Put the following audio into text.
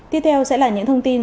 tiếp theo sẽ là những thông tin